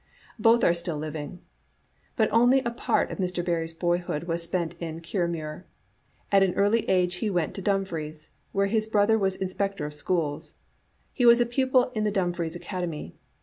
Both are still living. But only a part of Mr. Barrie's boyhood was spent in Kirriemuir. At an early age he went to Dumfries, where his brother was inspector of schools. He was a pupil in the Dumfries Academy.